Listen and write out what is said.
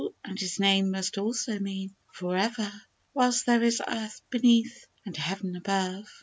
and his name must also mean " For ever,'' Whilst there is Earth beneath and Heav'n above